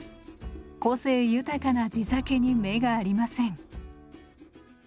個性豊かな地酒に目がありません。